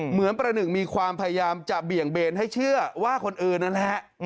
ประหนึ่งมีความพยายามจะเบี่ยงเบนให้เชื่อว่าคนอื่นนั่นแหละ